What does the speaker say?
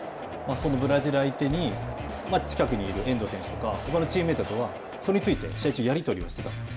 そのブラジル相手に近くにいる遠藤選手とかほかのチームメートは、それについて試合中、やり取りはしてた？